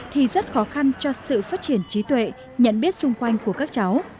thì rất khó khăn cho sự phát triển trí tuệ nhận biết xung quanh của các cháu